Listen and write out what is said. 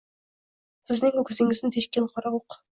Sizning ko’ksingizni teshgan kora o’k.